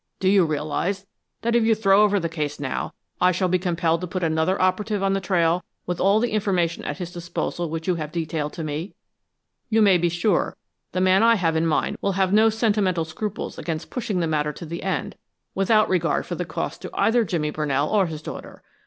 Do you realize that if you throw over the case now, I shall be compelled to put another operative on the trail, with all the information at his disposal which you have detailed to me? You may be sure the man I have in mind will have no sentimental scruples against pushing the matter to the end, without regard for the cost to either Jimmy Brunell or his daughter.